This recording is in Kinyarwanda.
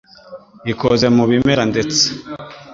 ikoze mu bimera ndetse